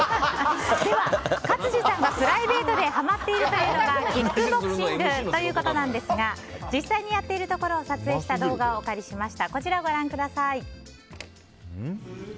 では勝地さんがプライベートではまっているというのがキックボクシングということなんですが実際にやっているところを撮影した動画をお借りしました。